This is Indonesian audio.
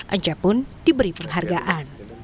anja pun diberi penghargaan